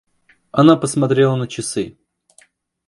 Она посмотрела на часы.